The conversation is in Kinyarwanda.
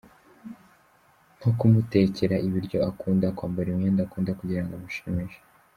nko kumutekera ibiryo akunda, kwambara imyenda akunda kugirango amushimishe, .